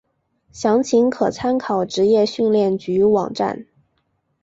详情可参考职业训练局网站。